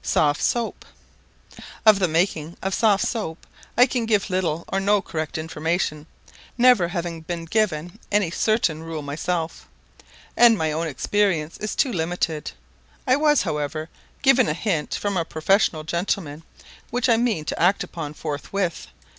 SOFT SOAP. Of the making of soft soap I can give little or no correct information, never having been given any certain rule myself, and my own experience is too limited. I was, however, given a hint from a professional gentleman, which I mean to act upon forthwith.